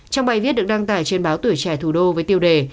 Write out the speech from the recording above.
trong bài viết được đăng tải trên báo tuổi trẻ thủ đô với tiêu đề